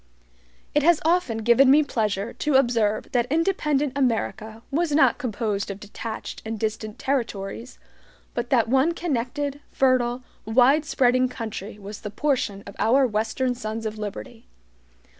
It has often given me pleasure to observe that independent America was not composed of detached and distant territories, but that one connected, fertile, wide spreading country was the portion of our western sons of liberty.